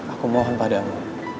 aku mohon padamu